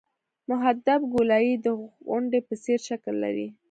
محدب ګولایي د غونډۍ په څېر شکل لري